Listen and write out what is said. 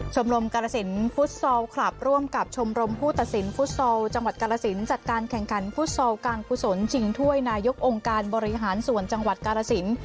ชมรมกาลสินฟุตซอลคลับร่วมกับชมรมผู้ตัดสินฟุตซอลจังหวัดกาลสินจัดการแข่งขันฟุตซอลการกุศลชิงถ้วยนายกองค์การบริหารส่วนจังหวัดกาลสิน